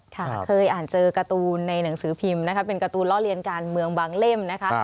เคยอ่านเจอการ์ตูนในหนังสือพิมพ์นะคะเป็นการ์ตูล่อเลียนการเมืองบางเล่มนะคะ